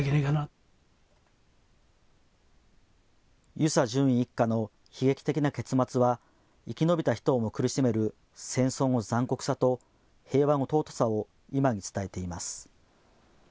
遊佐准尉一家の悲劇的な結末は生き延びた人をも苦しめる戦争の残酷さと平和の尊さを今に伝えています。